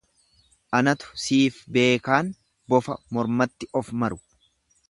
Anatu siif beekaan bofa mormatti of maru.